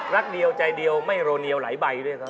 รักเดียวใจเดียวไม่โรเนียวหลายใบด้วยครับ